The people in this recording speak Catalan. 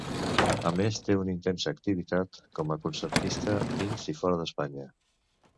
A més, té una intensa activitat com a concertista dins i fora d'Espanya.